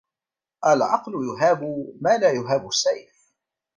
العقل يُهَابُ ما لا يُهابُ السيف